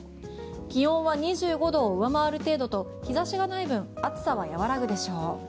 気温は２５度を上回る程度と日差しがない分暑さは和らぐでしょう。